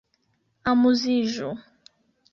Amuziĝu!